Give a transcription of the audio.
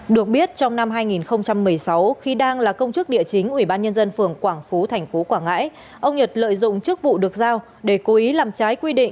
được biết trong năm hai nghìn một mươi sáu khi đang là công chức địa chính ủy ban nhân dân phường quảng phú tp quảng ngãi ông nhật lợi dụng chức vụ được giao để cố ý làm trái quy định tham mưu cho lãnh đạo ủy ban nhân dân phường